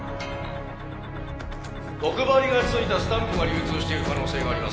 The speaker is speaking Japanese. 毒針がついたスタンプが流通している可能性があります